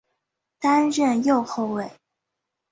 担任右后卫。